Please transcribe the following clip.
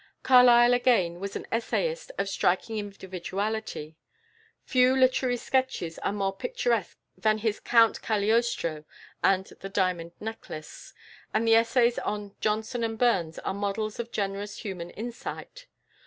Carlyle, again, was an essayist of striking individuality. Few literary sketches are more picturesque than his "Count Cagliostro" and "The Diamond Necklace," and the essays on Johnson and Burns are models of generous human insight.